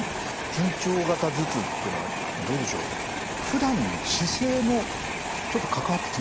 緊張型頭痛っていうのはどうでしょうふだんの姿勢もちょっと関わってきますかね？